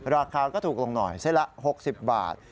ราคาก็ถูกลงหน่อยเส้นละ๖๐บาท